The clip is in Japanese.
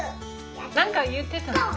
何か言ってたよね。